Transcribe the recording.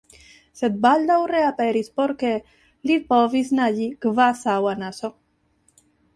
sed baldaŭ reaperis por ke, li povis naĝi kvazaŭ anaso.